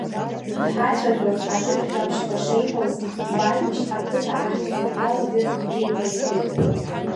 Дҳацәажәо, ажәытә жәабжьқәа шиҳәоз, Бармышь ақыҭа ахьӡ зыдҳәалоугьы ҳзеиҭеиҳәеит.